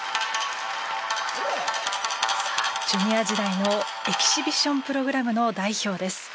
さあジュニア時代のエキシビションプログラムの代表です。